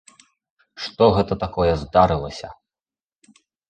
Што гэта такое здарылася!